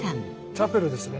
チャペルですね。